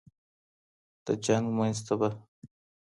د جنګ منځ ته به